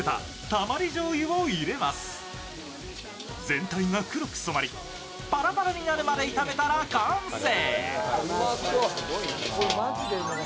全体が黒く染まりパラパラになるまで炒めたら完成。